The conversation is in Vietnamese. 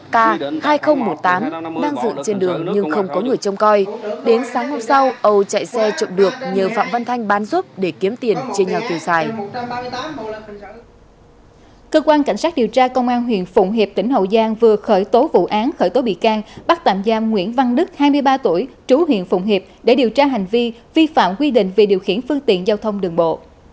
cơ quan cảnh sát điều tra công an huyện phụng hiệp tỉnh hậu giang vừa khởi tố vụ án khởi tố bị can bắt tạm giam nguyễn văn đức hai mươi ba tuổi trú huyện phụng hiệp để điều tra hành vi vi phạm quy định về điều khiển phương tiện giao thông đường bộ